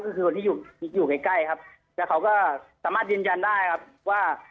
ก็คือคนที่อยู่อยู่ใกล้ใกล้ครับแล้วเขาก็สามารถยืนยันได้ครับว่า